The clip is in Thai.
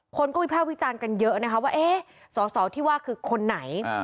คนก็วิภาควิจารณ์กันเยอะนะคะว่าเอ๊ะสอสอที่ว่าคือคนไหน